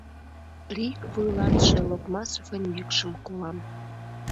РИК вуйлатыше Локмасовын йӱкшым колам: